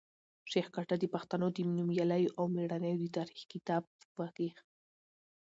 شېخ کټه د پښتنو د نومیالیو او مېړنیو د تاریخ کتاب وکېښ.